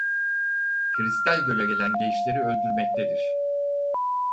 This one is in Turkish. Kristal Göl'e gelen gençleri öldürmektedir.